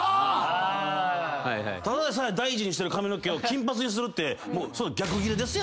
ただでさえ大事にしてる髪の毛を金髪にするって。